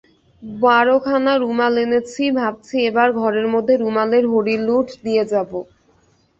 বারোখানা রুমাল এনেছি, ভাবছি এবার ঘরের মধ্যে রুমালের হরির লুঠ দিয়ে যাব।